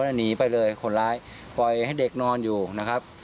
แล้วหนีไปเลยคนร้ายปล่อยให้เด็กนอนอยู่นะครับ